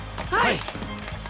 はい！